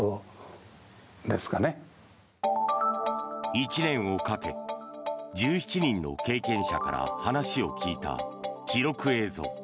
１年をかけ１７人の経験者から話を聞いた記録映像。